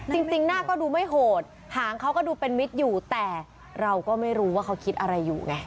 จริงหน้าก็ดูไม่โหดหางเขาก็ดูเป็นมิตรอยู่แต่เราก็ไม่รู้ว่าเขาคิดอะไรอยู่ไง